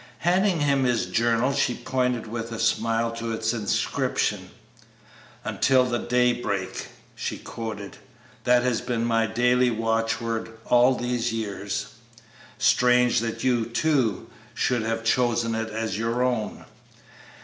Handing him his journal she pointed with a smile to its inscription. "'Until the day break,'" she quoted; "that has been my daily watchword all these years; strange that you, too, should have chosen it as your own."